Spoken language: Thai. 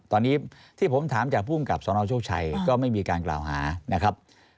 ตอนนี้ที่ผมถามจากภูมิกับสนโชคชัยก็ไม่มีการกล่าวหานะครับ